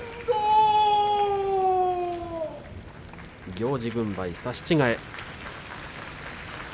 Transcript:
行司軍配、差し違え。